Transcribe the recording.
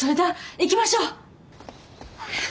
行きましょう！